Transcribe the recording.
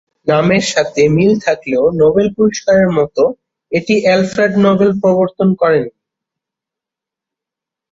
নামের সাথে মিল থাকলেও নোবেল পুরস্কারের মত এটি আলফ্রেড নোবেল প্রবর্তন করেন নি।